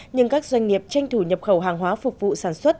nhưng các doanh nghiệp tranh thủ nhập khẩu hàng hóa phục vụ sản xuất